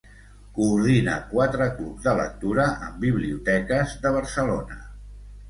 Coordina quatre clubs de lectura en biblioteques de Barcelona.